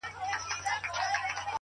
o زوکام يم؛